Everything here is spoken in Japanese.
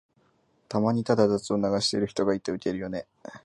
たまにただ雑音を流してる人がいてウケるよね。